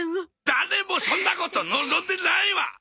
誰もそんなこと望んでないわ！